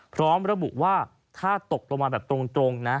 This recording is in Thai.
พร้อมระบุว่าถ้าตกลงมาแบบตรงนะ